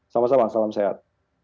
sama sama salam sehat